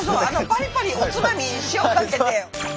パリパリおつまみ塩かけて。